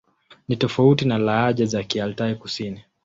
Ni tofauti na lahaja za Kialtai-Kusini.